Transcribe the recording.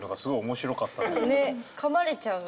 噛まれちゃうの？